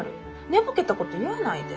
寝ぼけたこと言わないで。